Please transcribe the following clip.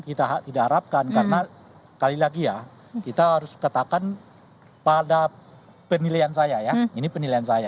kita tidak harapkan karena kali lagi ya kita harus katakan pada penilaian saya ya ini penilaian saya